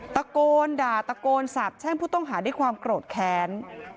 ตะโกนด่าตะโกนสาบแช่งผู้ต้องหาด้วยความโกรธแค้น